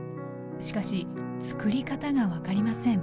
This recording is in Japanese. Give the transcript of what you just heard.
しかしつくり方が分かりません。